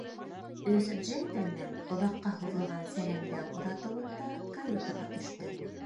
Өс джентльмен оҙаҡҡа һуҙылған сәләмләү оҙатыуында каютаға төштө.